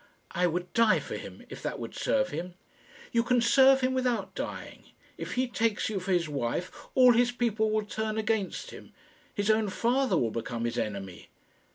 "I would die for him, if that would serve him." "You can serve him without dying. If he takes you for his wife, all his people will turn against him. His own father will become his enemy."